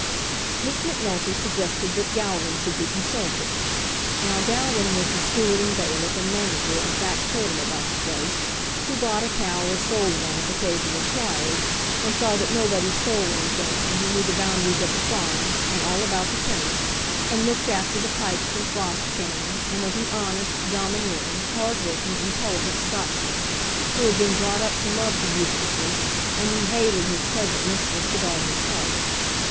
Miss Macnulty suggested that Gowran should be consulted. Now, Gowran was the steward and bailiff and manager and factotum about the place, who bought a cow or sold one if occasion required, and saw that nobody stole anything, and who knew the boundaries of the farms, and all about the tenants, and looked after the pipes when frost came, and was an honest, domineering, hard working, intelligent Scotchman, who had been brought up to love the Eustaces, and who hated his present mistress with all his heart.